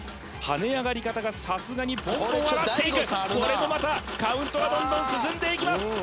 跳ね上がり方がさすがにポンポン上がっていくこれもまたカウントがどんどん進んでいきます